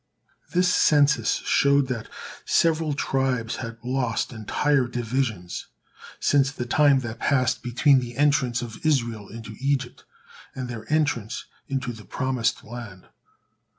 This census showed that several tribes had lost entire divisions since the time that passed between the entrance of Israel into Egypt, and their entrance into the promised land.